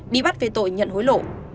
bị bắt về tội nhận hối lộ